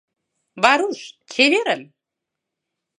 Варуш, чеверын!